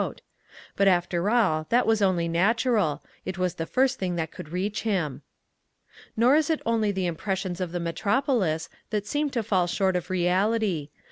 But, after all, that was only natural: it was the first thing that could reach him. Nor is it only the impressions of the metropolis that seem to fall short of reality.